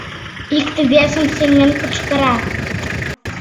Икте-весым сеҥен кычкырат: